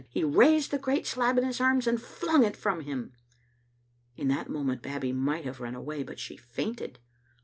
He raised the great slab in his arms and flung it from him. In that moment Babbie might have run away, but she fainted.